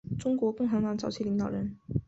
中国共产党早期领导人。